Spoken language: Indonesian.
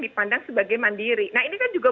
dipandang sebagai mandiri nah ini kan juga